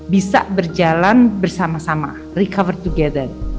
bisa berjalan bersama sama recover together